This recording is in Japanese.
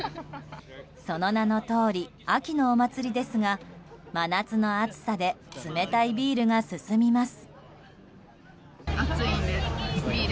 その名のとおり秋のお祭りですが真夏の暑さで冷たいビールが進みます。